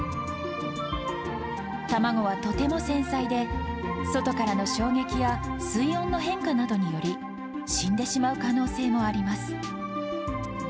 卵はとても繊細で、外からの衝撃や水温の変化などにより、死んでしまう可能性もあります。